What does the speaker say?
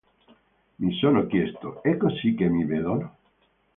Mi sono chiesto: è così che mi vedono?